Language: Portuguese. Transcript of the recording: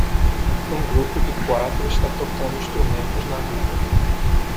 Um grupo de quatro está tocando instrumentos na rua